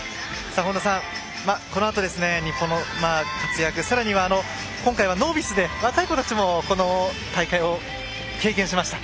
本田さん、このあと日本の活躍さらには今回ノービスで若い子たちもこの大会を経験しました。